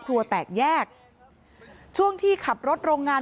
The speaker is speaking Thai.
เมื่อเวลาอันดับ